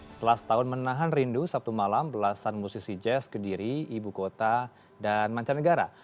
setelah setahun menahan rindu sabtu malam belasan musisi jazz kediri ibu kota dan mancanegara